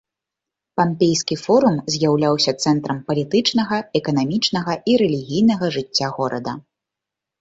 Пампейскі форум з'яўляўся цэнтрам палітычнага, эканамічнага і рэлігійнага жыцця горада.